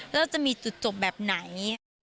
แล้วจะมีจุดจบแบบไหน